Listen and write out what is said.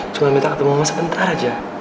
cuma minta ketemu mama sebentar aja